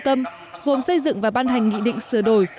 tâm vùng xây dựng và ban hành nghị định sửa đổi